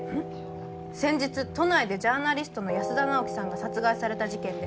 「先日都内でジャーナリストの安田尚樹さんが殺害された事件で」